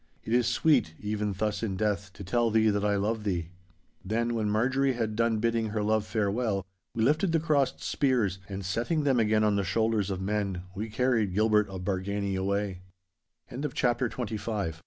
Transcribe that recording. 'It is sweet, even thus in death, to tell thee that I love thee!' Then, when Marjorie had done bidding her love farewell, we lifted the crossed spears, and setting them again on the shoulders of men, we carried Gilbert of Ba